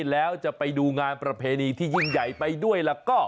แล้วจะไปดูงานประเพณีที่ยิ่งใหญ่ไปด้วยแล้วก็